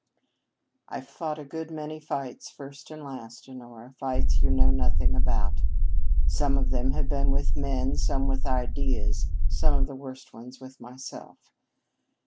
"I've fought a good many fights first and last, Honora, fights you know nothing about. Some of them have been with men, some with ideas, some of the worst ones with myself.